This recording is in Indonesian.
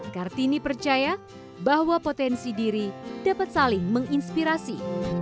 kartini percaya bahwa potensi diri dapat saling menginspirasi